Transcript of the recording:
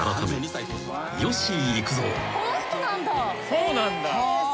そうなんだ。